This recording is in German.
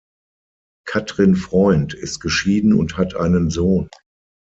Katrin Freund ist geschieden und hat einen Sohn.